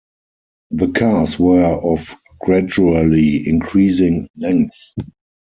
The cars were of gradually increasing length.